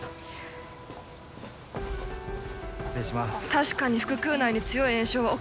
確かに腹腔内に強い炎症は起きています。